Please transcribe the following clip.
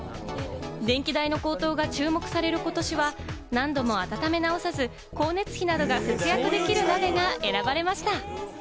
電気代の高騰が注目されることしは、何度も温めなおさず、光熱費などが節約できる鍋が選ばれました。